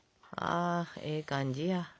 あええ感じや。